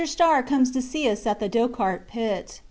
Starr comes to see us at the Dochart pit.